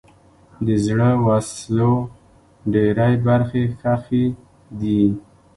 د زړو وسلو ډېری برخې ښخي دي.